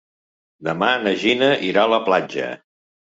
Demà na Gina irà a la platja.